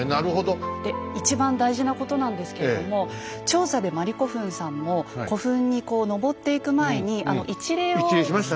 で一番大事なことなんですけれども調査でまりこふんさんも古墳にこう登っていく前に一礼をされてましたよね。